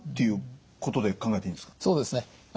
そうですね。